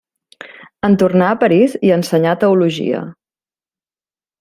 En tornar a París, hi ensenyà teologia.